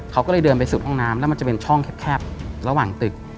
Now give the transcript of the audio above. เขาก็เลยเดินไปสุดห้องน้ำแล้วมันจะเป็นช่องแคบระหว่างตึก